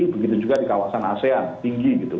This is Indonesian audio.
begitu juga di kawasan asean tinggi gitu